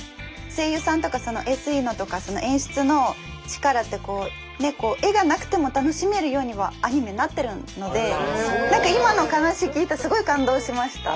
声優さんとかＳＥとか演出の力って絵がなくても楽しめるようにはアニメなってるので何か今の話聞いてすごい感動しました。